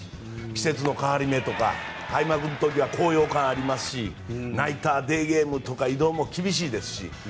季節の変わり目とか開幕の時は高揚感がありますしナイター、デーゲームとか移動も厳しいですし。